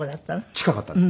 近かったです。